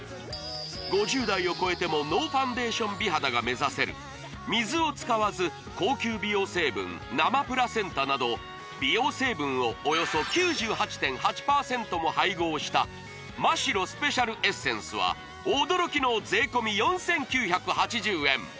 ５０代を超えてもノーファンデーション美肌が目指せる水を使わず高級美容成分生プラセンタなど美容成分をおよそ９８．８％も配合したマ・シロスペシャルエッセンスは驚きの税込４９８０円